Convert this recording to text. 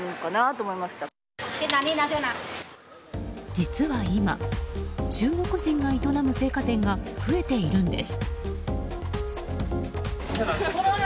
実は今、中国人が営む青果店が増えているんです。